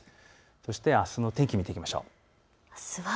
そしてあすの天気を見ていきましょう。